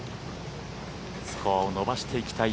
スコアを伸ばしていきたい